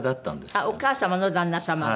あっお義母様の旦那様が？